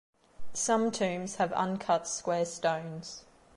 Some tombs have uncut square stones.